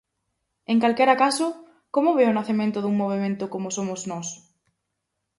En calquera caso, como ve o nacemento dun movemento como Somos Nós?